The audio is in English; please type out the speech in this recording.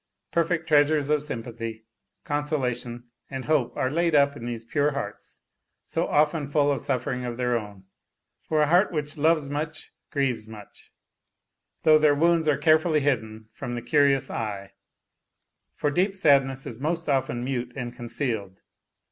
Perfect treasures of sympathy, consolation and hope are laid up in these pure hearts, so often full of suffering of their own for a heart 230 A LITTLE HERO which loves much grieves much though their wounds are care fully hidden from the curious eye, for deep sadness is most often mute and concealed.